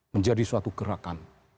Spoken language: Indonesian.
menjadi suatu gerakan